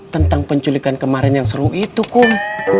tentang penculikan kemarin yang seru itu kum